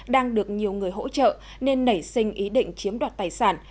đang được nhiều người hỗ trợ nên nảy sinh ý định chiếm đoạt tài sản